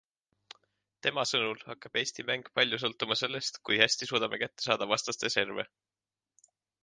Tema sõnul hakkab Eesti mäng palju sõltuma sellest, kui hästi suudame kätte saada vastaste serve.